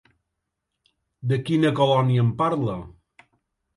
De quina colònia em parla?